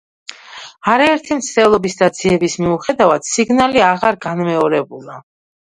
არაერთი მცდელობის და ძიების მიუხედავად, სიგნალი აღარ განმეორებულა.